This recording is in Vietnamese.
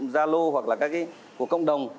gia lô hoặc là các cái của cộng đồng